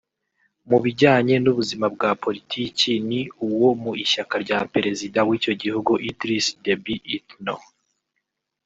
Mu bijyanye n’ubuzima bwa politiki ni uwo mu ishyaka rya Perezida w’icyo gihugu Idriss Déby Itno